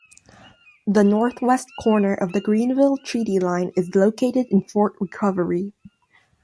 The northwest corner of the Greenville Treaty Line is located in Fort Recovery.